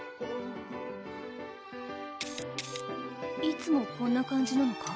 いつもこんな感じなのか？